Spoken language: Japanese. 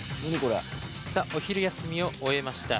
さあ、お昼休みを終えました。